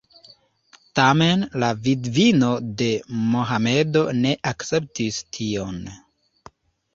Tamen la vidvino de Mohamedo ne akceptis tion.